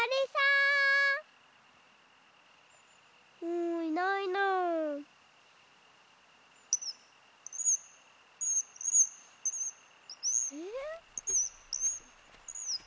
うんいないな。え？